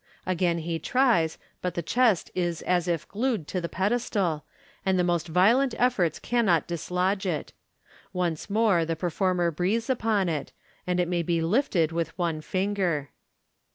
'1 Again he tries, but the chest is as if glued to the pedestal, and the most violent efforts cannot dislodge it. Once more the performer breathes upon it. and it may be lifted with one finger.